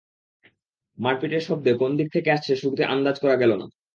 মারপিটের শব্দ কোন দিক থেকে আসছে শুরুতে আন্দাজ করা গেল না।